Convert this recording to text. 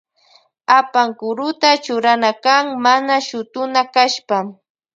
Apankuruta churana kan mana shutuna kashpa.